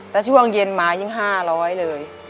แต่ช่วงเย็นมายิ่ง๕๐๐เลย